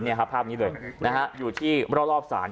เนี้ยค่ะภาพนี้เลยนะฮะอยู่ที่รอบรอบสน